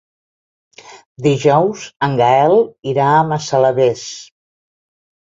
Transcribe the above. Dijous en Gaël irà a Massalavés.